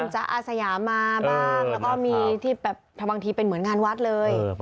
จ๊ะอาสยามาบ้างแล้วก็มีที่แบบบางทีเป็นเหมือนงานวัดเลย